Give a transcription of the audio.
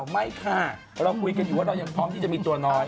ไม่ค่ะเราคุยกันอยู่ว่าเรายังพร้อมที่จะมีตัวน้อย